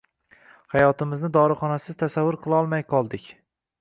Hayotimizni dorixonasiz tasavvur qilolmay qoldik.